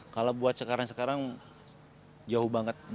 kalau buat sekarang sekarang jauh banget